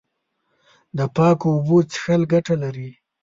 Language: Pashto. د پاکو اوبو څښل ګټه لري.